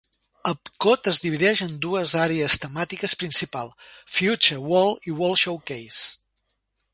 Epcot es divideix en dues àrees temàtiques principals: Future World i World Showcase.